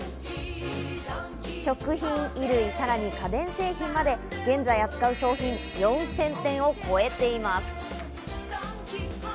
食費、衣類、さらに家電製品まで現在扱う商品４０００点を超えています。